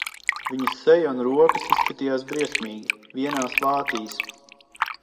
Viņas seja un rokas izskatījās briesmīgi, vienās vātīs.